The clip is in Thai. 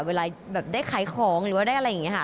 เวลาแบบได้ขายของหรือว่าได้อะไรอย่างนี้ค่ะ